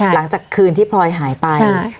หลังจากคืนที่พลอยหายไป